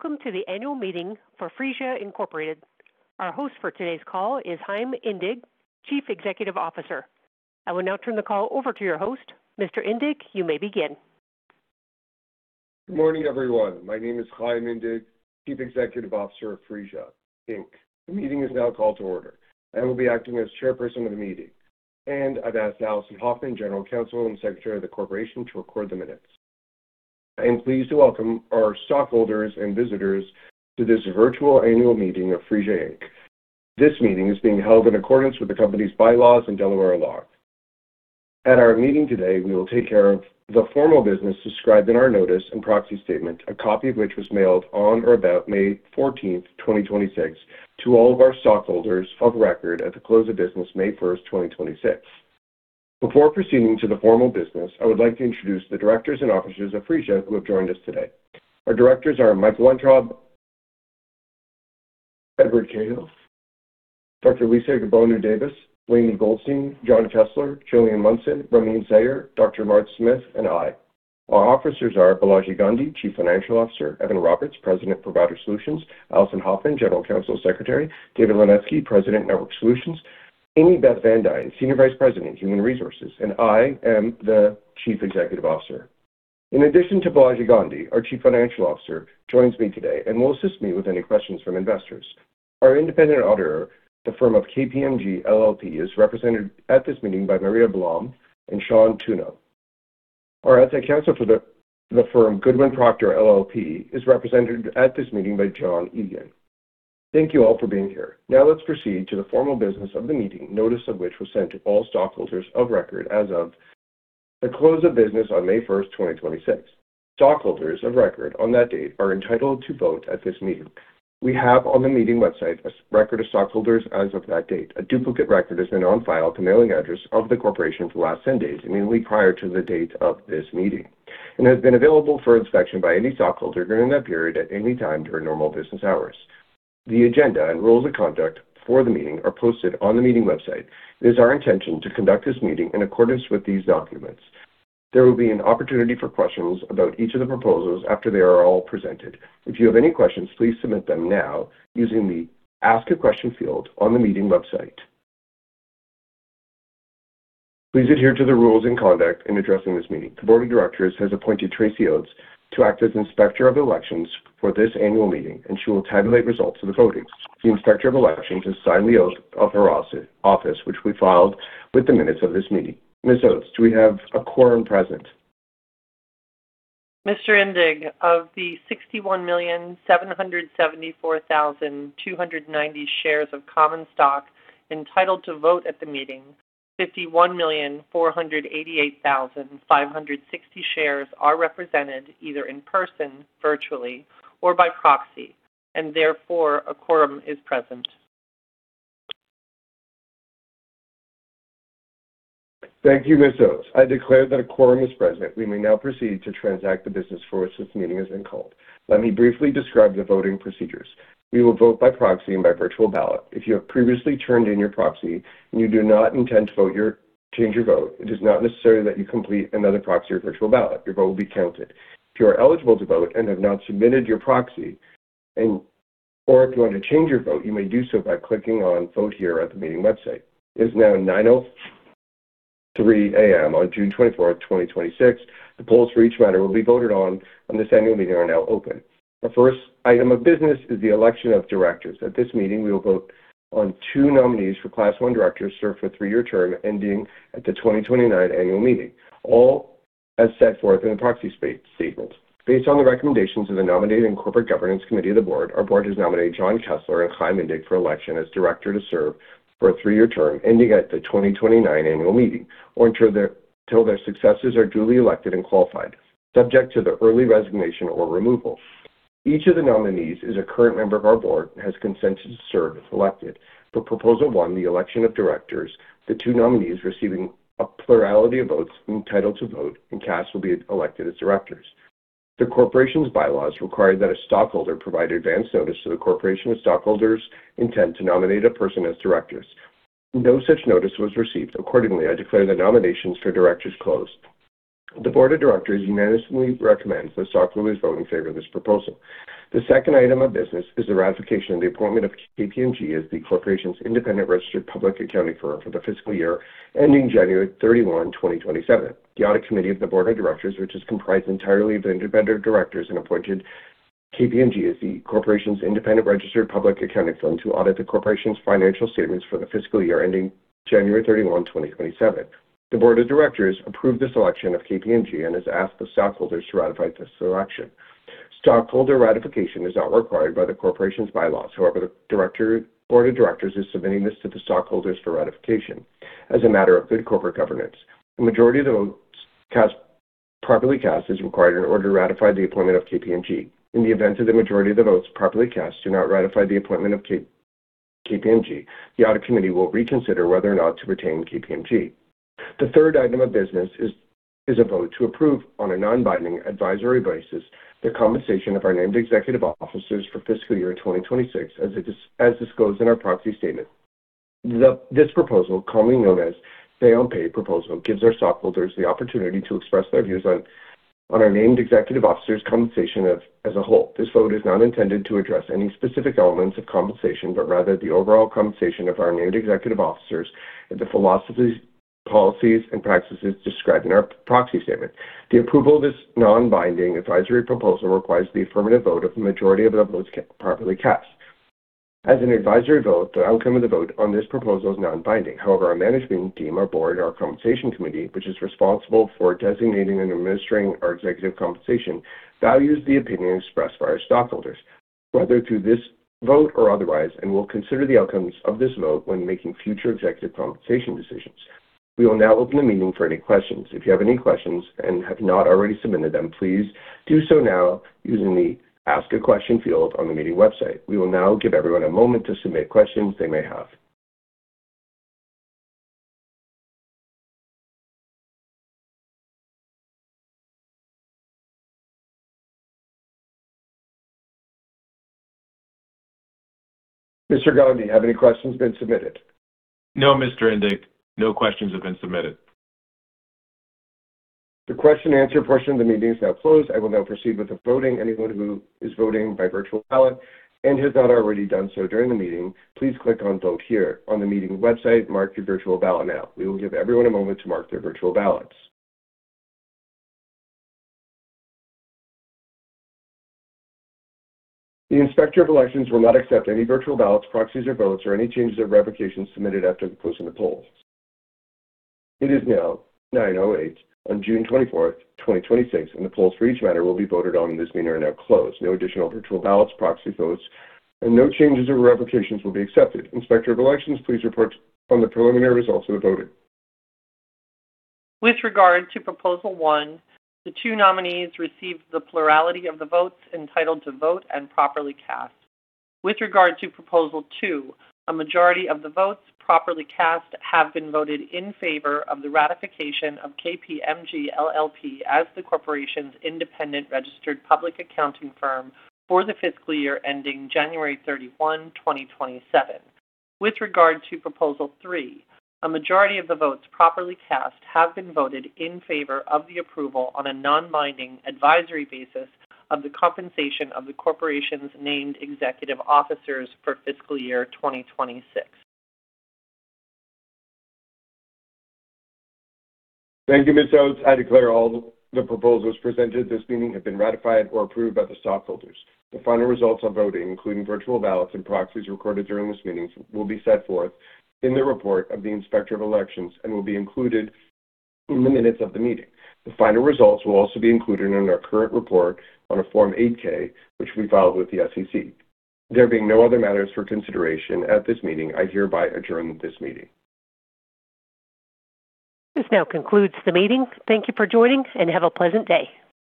Welcome to the annual meeting for Phreesia, Inc. Our host for today's call is Chaim Indig, Chief Executive Officer. I will now turn the call over to your host. Mr. Indig, you may begin. Good morning, everyone. My name is Chaim Indig, Chief Executive Officer of Phreesia, Inc. The meeting is now called to order. I will be acting as chairperson of the meeting, and I've asked Allison Hoffman, General Counsel and Secretary of the Corporation, to record the minutes. I am pleased to welcome our stockholders and visitors to this virtual annual meeting of Phreesia, Inc. This meeting is being held in accordance with the company's bylaws and Delaware law. At our meeting today, we will take care of the formal business described in our notice and proxy statement, a copy of which was mailed on or about May 14th, 2026, to all of our stockholders of record at the close of business May 1st, 2026. Before proceeding to the formal business, I would like to introduce the directors and officers of Phreesia who have joined us today. Our directors are Michael Weintraub, Edward Cahill, Dr. Lisa Egbuonu-Davis, William Goldstein, Jon Kessler, Gillian Munson, Ramin Sayar, Dr. Mark Smith, and I. Our officers are Balaji Gandhi, Chief Financial Officer, Evan Roberts, President, Provider Solutions, Allison Hoffman, General Counsel, Secretary, David Linetsky, President, Network Solutions, Amy Beth VanDuyn, Senior Vice President, Human Resources, and I am the Chief Executive Officer. In addition to Balaji Gandhi, our Chief Financial Officer joins me today and will assist me with any questions from investors. Our independent auditor, the firm of KPMG LLP, is represented at this meeting by Maria Blom and Sean Tiernan. Our outside counsel for the firm, Goodwin Procter LLP, is represented at this meeting by John Egan. Thank you all for being here. Now let's proceed to the formal business of the meeting, notice of which was sent to all stockholders of record as of the close of business on May 1st, 2026. Stockholders of record on that date are entitled to vote at this meeting. We have on the meeting website a record of stockholders as of that date. A duplicate record has been on file at the mailing address of the corporation for the last 10 days, immediately prior to the date of this meeting, and has been available for inspection by any stockholder during that period at any time during normal business hours. The agenda and rules of conduct for the meeting are posted on the meeting website. It is our intention to conduct this meeting in accordance with these documents. There will be an opportunity for questions about each of the proposals after they are all presented. If you have any questions, please submit them now using the Ask a Question field on the meeting website. Please adhere to the rules and conduct in addressing this meeting. The Board of Directors has appointed Tracy Oates to act as Inspector of Elections for this annual meeting, and she will tabulate results of the votings. The Inspector of Elections has signed the oath of her office, which we filed with the minutes of this meeting. Ms. Oates, do we have a quorum present? Mr. Indig, of the 61,774,290 shares of common stock entitled to vote at the meeting, 51,488,560 shares are represented either in person, virtually, or by proxy, therefore, a quorum is present. Thank you, Ms. Oates. I declare that a quorum is present. We may now proceed to transact the business for which this meeting has been called. Let me briefly describe the voting procedures. We will vote by proxy and by virtual ballot. If you have previously turned in your proxy and you do not intend to change your vote, it is not necessary that you complete another proxy or virtual ballot. Your vote will be counted. If you are eligible to vote and have not submitted your proxy, or if you want to change your vote, you may do so by clicking on Vote Here at the meeting website. It is now 9:03 A.M. on June 24th, 2026. The polls for each matter will be voted on, this annual meeting are now open. The first item of business is the election of directors. At this meeting, we will vote on two nominees for Class I directors to serve for a three-year term ending at the 2029 annual meeting, all as set forth in the proxy statement. Based on the recommendations of the Nominating and Corporate Governance Committee of the Board, our board has nominated Jon Kessler and Chaim Indig for election as director to serve for a three-year term ending at the 2029 annual meeting or until their successors are duly elected and qualified, subject to the early resignation or removal. Each of the nominees is a current member of our board and has consented to serve if elected. For Proposal 1, the election of directors, the two nominees receiving a plurality of votes entitled to vote and cast will be elected as directors. The corporation's bylaws require that a stockholder provide advance notice to the corporation when stockholders intend to nominate a person as directors. No such notice was received. Accordingly, I declare the nominations for directors closed. The Board of Directors unanimously recommends the stockholders vote in favor of this proposal. The second item of business is the ratification of the appointment of KPMG as the corporation's independent registered public accounting firm for the fiscal year ending January 31, 2027. The Audit Committee of the Board of Directors, which is comprised entirely of independent directors, appointed KPMG as the corporation's independent registered public accounting firm to audit the corporation's financial statements for the fiscal year ending January 31, 2027. The Board of Directors approved the selection of KPMG and has asked the stockholders to ratify this selection. Stockholder ratification is not required by the corporation's bylaws. The Board of Directors is submitting this to the stockholders for ratification as a matter of good corporate governance. A majority of the votes properly cast is required in order to ratify the appointment of KPMG. In the event that the majority of the votes properly cast do not ratify the appointment of KPMG, the Audit Committee will reconsider whether or not to retain KPMG. The third item of business is a vote to approve on a non-binding advisory basis the compensation of our named executive officers for fiscal year 2026, as disclosed in our proxy statement. This proposal, commonly known as say on pay proposal, gives our stockholders the opportunity to express their views on our named executive officers' compensation as a whole. This vote is not intended to address any specific elements of compensation, but rather the overall compensation of our named executive officers and the philosophies, policies, and practices described in our proxy statement. The approval of this non-binding advisory proposal requires the affirmative vote of a majority of the votes properly cast. As an advisory vote, the outcome of the vote on this proposal is non-binding. Our management team, our Board, our Compensation Committee, which is responsible for designating and administering our executive compensation, values the opinion expressed by our stockholders, whether through this vote or otherwise, and will consider the outcomes of this vote when making future executive compensation decisions. We will now open the meeting for any questions. If you have any questions and have not already submitted them, please do so now using the Ask a Question field on the meeting website. We will now give everyone a moment to submit questions they may have. Mr. Gandhi, have any questions been submitted? No, Mr. Indig. No questions have been submitted. The question and answer portion of the meeting is now closed. I will now proceed with the voting. Anyone who is voting by virtual ballot and has not already done so during the meeting, please click on Vote Here on the meeting website. Mark your virtual ballot now. We will give everyone a moment to mark their virtual ballots. The Inspector of Elections will not accept any virtual ballots, proxies, or votes, or any changes or revocations submitted after the closing of the polls. It is now 9:08 A.M. on June 24, 2026, and the polls for each matter will be voted on in this meeting are now closed. No additional virtual ballots, proxy votes, and no changes or revocations will be accepted. Inspector of Elections, please report on the preliminary results of the voting. With regard to proposal 1, the two nominees received the plurality of the votes entitled to vote and properly cast. With regard to proposal 2, a majority of the votes properly cast have been voted in favor of the ratification of KPMG LLP as the corporation's independent registered public accounting firm for the fiscal year ending January 31, 2027. With regard to proposal 3, a majority of the votes properly cast have been voted in favor of the approval on a non-binding advisory basis of the compensation of the corporation's named executive officers for fiscal year 2026. Thank you, Ms. Oates. I declare all the proposals presented at this meeting have been ratified or approved by the stockholders. The final results of voting, including virtual ballots and proxies recorded during this meeting, will be set forth in the report of the Inspector of Elections and will be included in the minutes of the meeting. The final results will also be included in our current report on a Form 8-K, which we filed with the SEC. There being no other matters for consideration at this meeting, I hereby adjourn this meeting. This now concludes the meeting. Thank you for joining, and have a pleasant day.